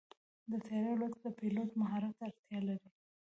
د طیارې الوت د پيلوټ مهارت ته اړتیا لري.